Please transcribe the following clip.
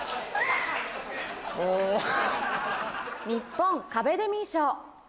日本カベデミー賞。